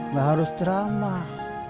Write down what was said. gak harus ceramah